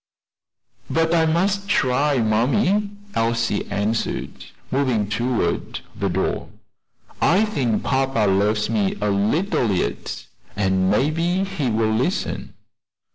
"But I must try, mammy," Elsie answered, moving toward the door. "I think papa loves me a little yet, and maybe he will listen."